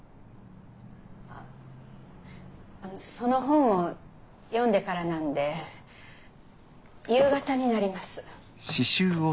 ああのその本を読んでからなんで夕方になります。